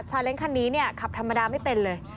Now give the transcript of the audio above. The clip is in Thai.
เล้งคันนี้เนี่ยขับธรรมดาไม่เป็นเลย